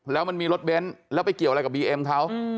แล้วมันมีรถเบนท์แล้วไปเกี่ยวอะไรกับบีเอ็มเขา